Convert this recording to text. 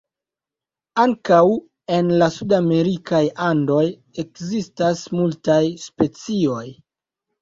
Ankaŭ en la sudamerikaj Andoj ekzistas multaj specioj.